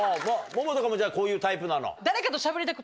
萌々とかもこういうタイプなの？